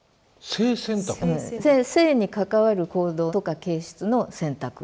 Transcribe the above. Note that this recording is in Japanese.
性に関わる行動とか形質の選択。